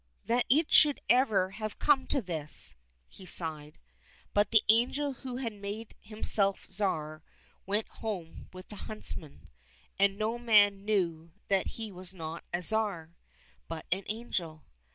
That it should ever have come to this !" he sighed. But the angel who had made himself Tsar went home with the huntsmen. And no man knew that he was not a Tsar, but an angel.